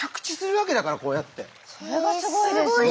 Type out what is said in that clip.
それがすごいですね。